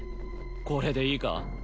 これでいいか？